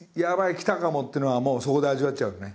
きたかもっていうのはもうそこで味わっちゃうのね。